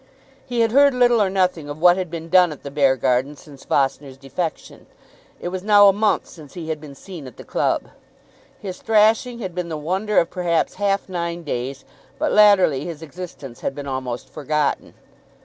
He had heard little or nothing of what had been done at the Beargarden since Vossner's defection. It was now a month since he had been seen at the club. His thrashing had been the wonder of perhaps half nine days, but latterly his existence had been almost forgotten.